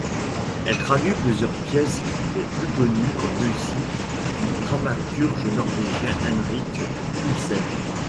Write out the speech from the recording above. Elle traduit plusieurs pièces des plus.connues en Russie du dramaturge norvégien Henrik Ibsen.